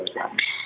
gitu banget ya